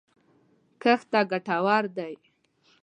کښت ته ګټور دی